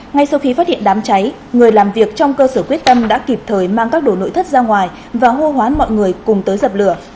ngay sau khi phát hiện đám cháy người làm việc trong cơ sở quyết tâm đã kịp thời mang các đồ nội thất ra ngoài và hô hoán mọi người cùng tới dập lửa